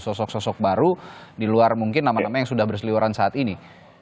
sosok sosok baru di luar mungkin nama nama yang sudah berseliwaran saat ini